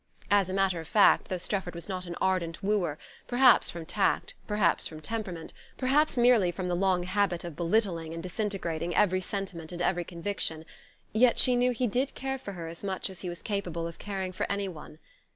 As a matter of fact, though Strefford was not an ardent wooer perhaps from tact, perhaps from temperament, perhaps merely from the long habit of belittling and disintegrating every sentiment and every conviction yet she knew he did care for her as much as he was capable of caring for anyone.